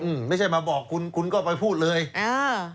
อืมไม่ใช่มาบอกคุณคุณก็ไปพูดเลยอ่า